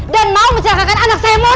dan mau mencelakakan anak saya mona